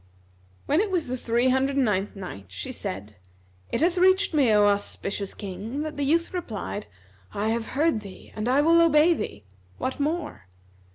When it was the Three Hundred and Ninth Night, She said, It hath reached me, O auspicious King, that the youth replied, "I have heard thee and I will obey thee; what more?"